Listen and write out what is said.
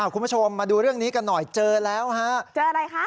คุณผู้ชมมาดูเรื่องนี้กันหน่อยเจอแล้วฮะเจออะไรคะ